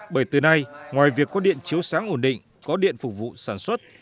bởi từ nay ngoài việc có điện chiếu sáng ổn định có điện phục vụ sản xuất